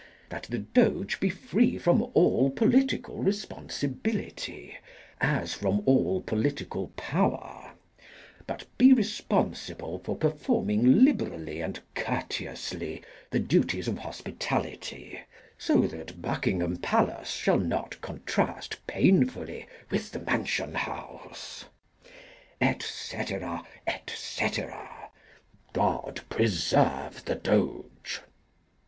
That the Doge be free from all political responsibility as from all political power; but be responsible for performing liberally and courteously the duties of hospitality, so that Buckingham Palace shall not contrast painfully with the Mansion House. Etc., etc. God preserve the Doge!